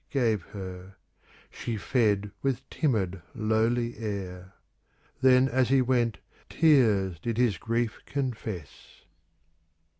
Gave her; she fed with timid, lowly air. Then as he went, tears did his grief confess.